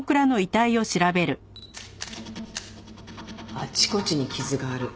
あちこちに傷がある。